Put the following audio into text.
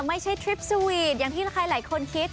ไม่ใช่ทริปสวีตต์อย่างที่ใครคนคิด